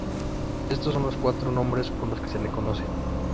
Estos son los cuatro nombres con los que se le conoce.